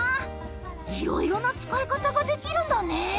いろいろな使い方ができるんだね！